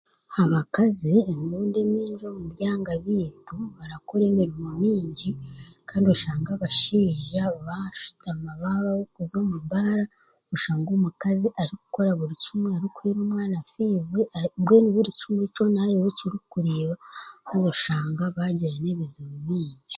Abakazi emirundi emingi omu byanga byaitu barakora emirimo mingi kandi oshange abashaija baashutama baaba ab'okuza omu baara oshange omukazi arikukora buri kimwe arikuheera omwana fiizi n'oku mbwenu burikimwe kyona arariwe ou kikureeba kandi oshange baagira ebizibu bingi